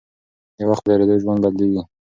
د وخت په تېرېدو ژوند بدلېږي.